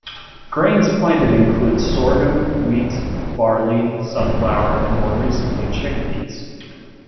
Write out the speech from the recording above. Grains planted include sorghum, wheat, barley, sunflower and more recently chickpeas.